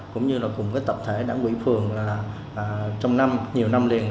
cũng như cùng tập thể đảng ủy phường trong năm nhiều năm liền